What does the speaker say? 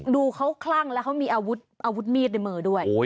ดูเขาคลั่งแล้วเขามีอาวุธมีดในมือด้วย